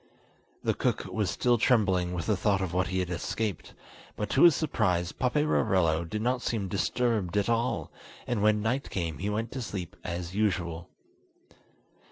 The cook was still trembling with the thought of what he had escaped, but to his surprise Paperarello did not seem disturbed at all, and when night came he went to sleep as usual.